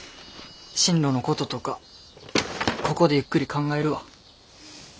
進路のこととかここでゆっくり考えるわ。